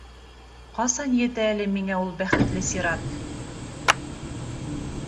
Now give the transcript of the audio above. Ҡасан етә әле миңә ул бәхетле сират?